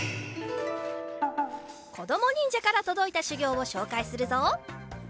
こどもにんじゃからとどいたしゅぎょうをしょうかいするぞ。